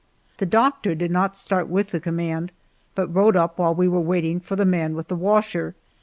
The doctor did not start with the command, but rode up while we were waiting for the man with the washer.